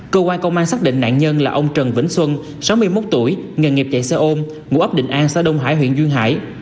cơ quan công an xác định nạn nhân là ông trần vĩnh xuân sáu mươi một tuổi nghề nghiệp chạy xe ôm ngụ ấp định an xã đông hải huyện duyên hải